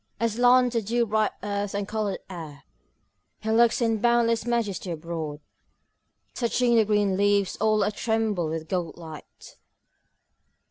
Aslant the dew bright earth and coloured air he looks in boundless majesty abroad, touching the green leaves all a tremble with gold light.